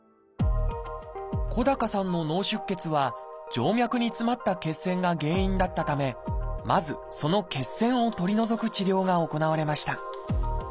小高さんの脳出血は静脈に詰まった血栓が原因だったためまずその血栓を取り除く治療が行われました